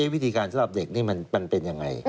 วิธีการสำหรับเด็กนี่มันเป็นยังไง